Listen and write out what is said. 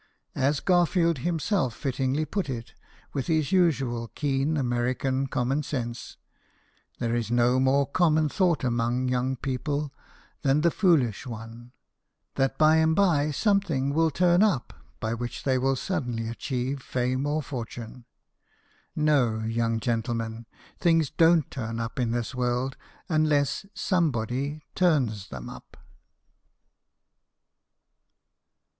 As Garfield himself fittingly put it, with his usual keen American common sense, " There is no more common thought among young people than the foolish one, that by and by some:hing will turn up by which they will suddenly achieve fame or fortune. No, young gentlemen ; things don't turn up in this world unless somebody turns them up."